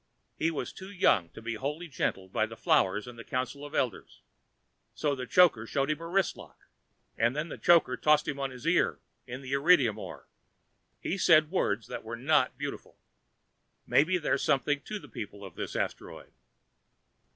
He was too young to be wholly gentled by the flowers and the council of elders. So the Choker showed him a wristlock. And when the Choker tossed him on his ear in the erydnium ore, he said words that were not beautiful. Maybe there's something to the people of this asteroid.